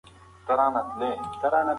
دوی هره ورځ ښار ته ځي.